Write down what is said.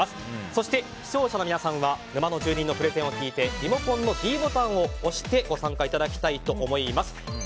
そして、視聴者の皆さんは沼の住人のプレゼント聞いてリモコンのｄボタンを押してご参加いただきたいと思います。